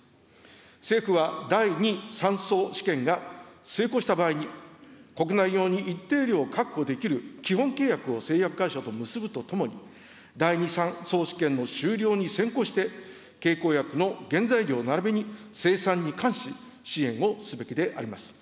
政府は第２／３相試験が成功した場合に、国内用に一定量確保できる基本契約を製薬会社と結ぶとともに、第２／３相試験の終了に先行して、経口薬の原材料ならびに生産に関し、支援をすべきであります。